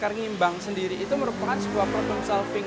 karyawan mimbang sendiri itu merupakan sebuah problem solving